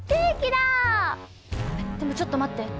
でもちょっと待って。